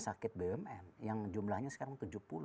sakit bumn yang jumlahnya sekarang